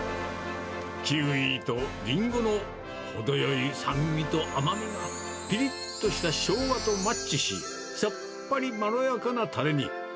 キウイとリンゴのほどよい酸味と甘みがぴりっとしたしょうがとマッチし、さっぱり、まろやかなたれに。